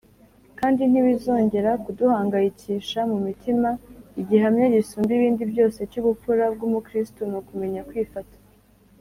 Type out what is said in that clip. kandi ntibizongera kuduhangayikisha mu mitima igihamya gisumba ibindi byose cy’ubupfura bw’umukristo ni ukumenya kwifata